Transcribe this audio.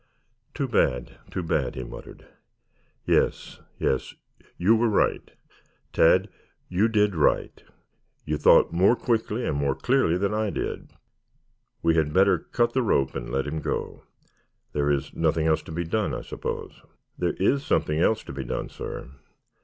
"Too bad, too bad!" he muttered. "Yes, yes. You were right, Tad. You did right. You thought more quickly and more clearly than I did. We had better cut the rope and let him go. There is nothing else to be done, I suppose." "There is something else to be done, sir.